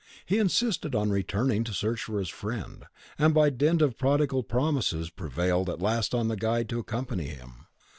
He insisted on returning to search for his friend; and by dint of prodigal promises prevailed at last on the guide to accompany him.